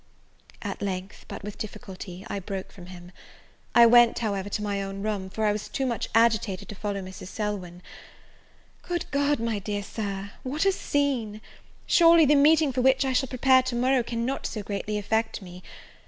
At length, but with difficulty, I broke from him. I went, however, to my own room, for I was too much agitated to follow Mrs. Selwyn. Good God, my dear Sir, what a scene! surely the meeting for which I shall prepare to morrow cannot so greatly affect me!